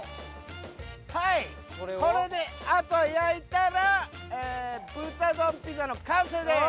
はいこれであとは焼いたら豚丼ピザの完成です！